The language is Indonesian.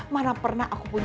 mana pernah aku punya